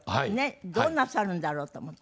どうなさるんだろう？と思って。